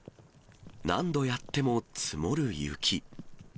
何度やっても積もる雪。